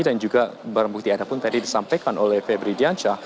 dan juga barang bukti ada pun tadi disampaikan oleh febri dianca